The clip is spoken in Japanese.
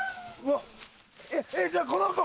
えっじゃあこの子！